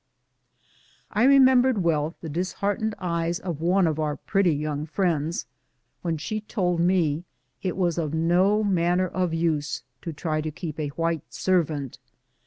I remember well tlie disheartened eyes of one of our pretty young friends when she told me it was of no manner of use to try and keep a white servant.